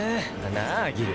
なあギル？